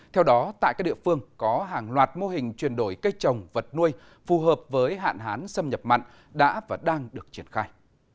theo đó tại các địa phương có hàng loạt mô hình chuyển đổi cây trồng vật nuôi phù hợp với hạn hán xâm nhập mặn đã và đang được triển khai